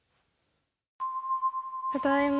ただいま。